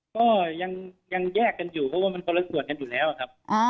ก็ยังแยกกันอยู่เพราะว่ามันคนละส่วนกันอยู่แล้วครับ